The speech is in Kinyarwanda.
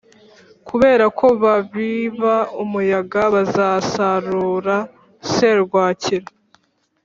Kubera ko babiba umuyaga bazasarura serwakira